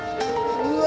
うわ！